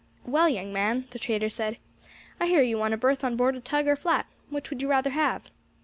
"Well, young man," the trader said, "I hear you want a berth on board a tug or flat. Which would you rather have?"